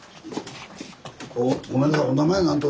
ごめんなさい。